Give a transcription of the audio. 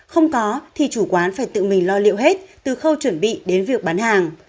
không có thì chủ quán phải tự mình lo liệu hết từ khâu chuẩn bị đến việc bán hàng